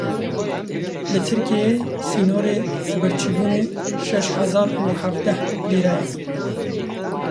Li Tirkiyeyê sînorê birçîbûnê şeş hezar û hevdeh lîre ye.